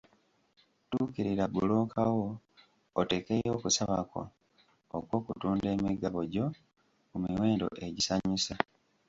Tuukirira bbulooka wo, oteekeyo okusaba kwo okw'okutunda emigabo gyo ku miwendo egikusanyusa.